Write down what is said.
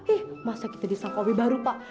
ih masa kita di sang ob baru pak